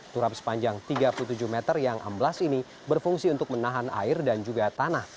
turap sepanjang tiga puluh tujuh meter yang amblas ini berfungsi untuk menahan air dan juga tanah